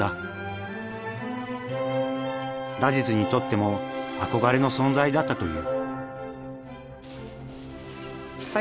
ラジズにとっても憧れの存在だったという。